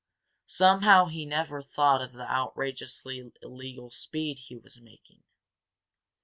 Somehow he never thought of the outrageously illegal speed he was making.